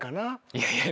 いやいや。